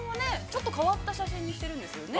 ちょっと変わった写真にしてるんですよね。